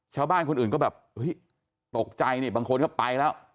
ชาวบ้านคนอื่นก็แบบเฮ้ยตกใจนี่บางคนก็ไปแล้ว